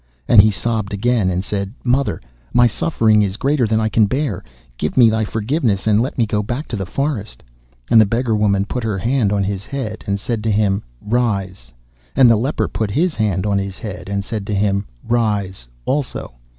And he sobbed again and said: 'Mother, my suffering is greater than I can bear. Give me thy forgiveness, and let me go back to the forest.' And the beggar woman put her hand on his head, and said to him, 'Rise,' and the leper put his hand on his head, and said to him, 'Rise,' also.